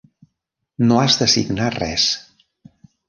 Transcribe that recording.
No has de signar res.